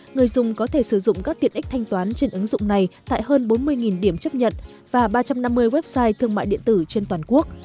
người dùng có thể sử dụng các tiện ích thanh toán trên ứng dụng này tại hơn bốn mươi điểm chấp nhận và ba trăm năm mươi website thương mại điện tử trên toàn quốc